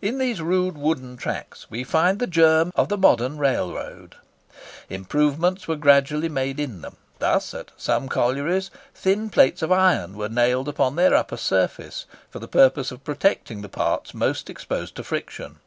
In these rude wooden tracks we find the germ of the modern railroad. Improvements were gradually made in them. Thus, at some collieries, thin plates of iron were nailed upon their upper surface, for the purpose of protecting the parts most exposed to friction.